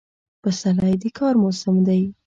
پسرلی د کار موسم دی.